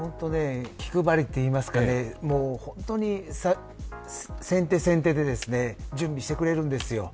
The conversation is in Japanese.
気配りというか先手先手で準備してくれるんです。